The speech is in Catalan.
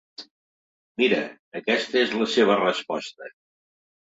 Mira, aquesta és la seva resposta.